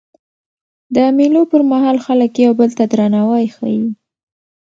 د مېلو پر مهال خلک یو بل ته درناوی ښيي.